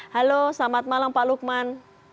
halo selamat malam pak lukman